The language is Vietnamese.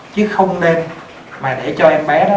chứ không nên mà để cho em bé đó